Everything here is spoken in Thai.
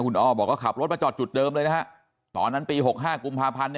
คุณอ้อบอกว่าขับรถมาจอดจุดเดิมเลยนะฮะตอนนั้นปี๖๕กุมภาพันธ์